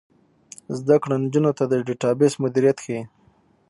زده کړه نجونو ته د ډیټابیس مدیریت ښيي.